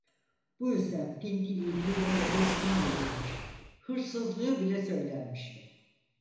Bu yüzden pintiliği dillere destan edilmiş, hırsızlığı bile söylenmişti.